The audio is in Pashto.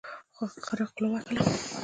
خر خوله وهله.